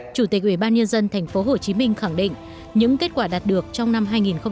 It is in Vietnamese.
chủ tịch ủy ban nhân dân tp hcm khẳng định những kết quả đạt được trong năm hai nghìn một mươi tám